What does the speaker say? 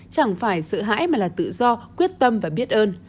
chẳng phải sợ hãi mà là tự do quyết tâm và biết ơn